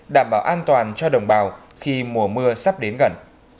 đảm bảo an toàn cho đồng bào khi mùa mưa sắp đến gần